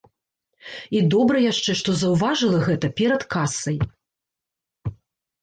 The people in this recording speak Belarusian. І добра яшчэ, што заўважыла гэта перад касай.